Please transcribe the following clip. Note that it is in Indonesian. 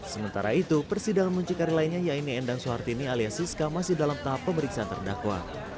sementara itu persidangan muncikari lainnya yaitu endang soehartini alias siska masih dalam tahap pemeriksaan terdakwa